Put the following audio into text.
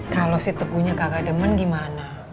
kalau si teguhnya kakak demen gimana